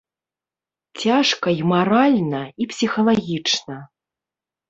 Цяжка і маральна, і псіхалагічна.